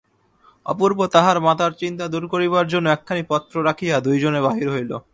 অপূর্ব তাহার মাতার চিন্তা দূর করিবার জন্য একখানি পত্র রাখিয়া দুইজনে বাহির হইল।